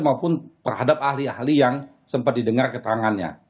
maupun terhadap ahli ahli yang sempat didengar keterangannya